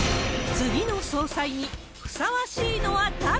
次の総裁にふさわしいのは誰？